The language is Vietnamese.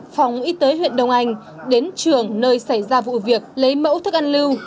phòng y tế huyện đông anh đến trường nơi xảy ra vụ việc lấy mẫu thức ăn lưu